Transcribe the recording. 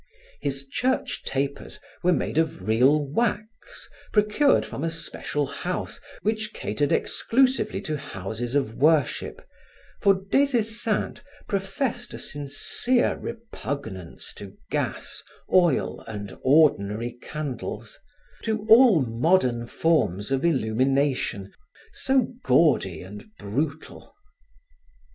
His church tapers were made of real wax, procured from a special house which catered exclusively to houses of worship, for Des Esseintes professed a sincere repugnance to gas, oil and ordinary candles, to all modern forms of illumination, so gaudy and brutal.